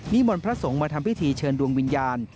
มนต์พระสงฆ์มาทำพิธีเชิญดวงวิญญาณ